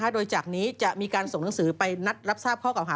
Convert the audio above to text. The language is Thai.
โดยจากนี้จะมีการส่งหนังสือไปนัดรับทราบข้อเก่าหา